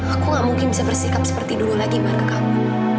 aku gak mungkin bisa bersikap seperti dulu lagi pada kamu